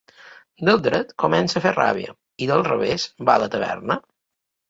Del dret comença a fer ràbia, i del revés va a la taverna.